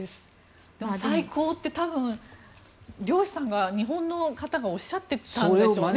サイコーって多分、漁師さんが日本の方がおっしゃってたんでしょうね。